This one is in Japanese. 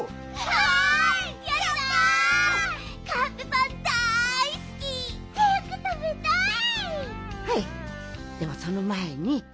はいでもそのまえに。